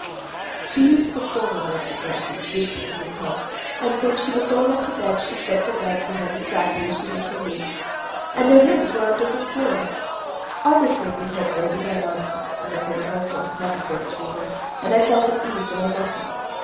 She used the formal mode of address in speaking to Lubkov, and when she was going up to bed she said good night to him exactly as she did to me, and their rooms were on different floors. All this made me hope that it was all nonsense, and that there was no sort of love affair between them, and I felt at ease when I met him.